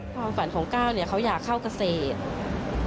ความฝันของก้าวเนี่ยเขาอยากเข้าเกษตร